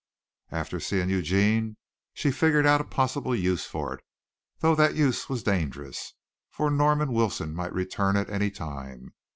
After seeing Eugene she figured out a possible use for it, though that use was dangerous, for Norman Wilson might return at any time.